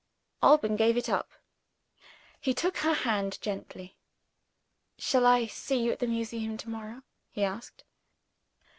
Alban gave it up. He took her hand gently. "Shall I see you at the Museum, to morrow?" he asked.